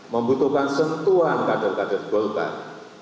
membutuhkan sentuhan kader kader golkar